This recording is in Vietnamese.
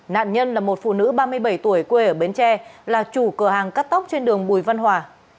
nạn nhân là một phụ nữ ba mươi bảy tuổi quê ở bến tre là chủ cửa hàng cắt tóc trên đường bùi văn hòa